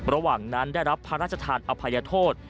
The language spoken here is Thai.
ระหว่างนั้นได้รับพระราชทานอภัยโทษ